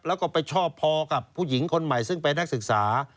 แล้วก็ไปชอบพอกับผู้หญิงคนใหม่ซึ่งเป็นนักศึกษา